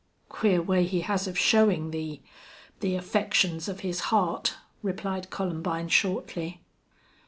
"Queer way he has of showing the the affections of his heart," replied Columbine, shortly.